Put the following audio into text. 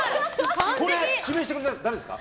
指名してくれたの誰ですか？